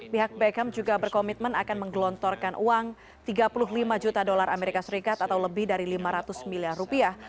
pihak beckham juga berkomitmen akan menggelontorkan uang tiga puluh lima juta dolar amerika serikat atau lebih dari lima ratus miliar rupiah